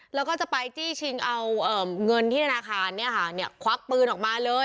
แล้วก็จะไปจี้ชิงเอาเงินที่ธนาคารควักปืนออกมาเลย